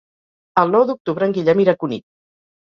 El nou d'octubre en Guillem irà a Cunit.